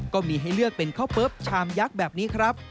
ก็มีให้เลือกเป็นข้าวเปิ๊บชามยักษ์แบบนี้ครับ